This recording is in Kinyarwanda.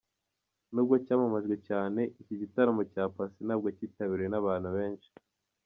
N’ubwo cyamamajwe cyane, iki gitaramo cya Paccy, ntabwo cyitabiriwe n’abantu benshi.